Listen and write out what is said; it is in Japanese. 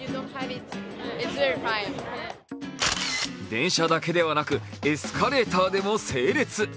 電車だけではなくエスカレーターでも整列。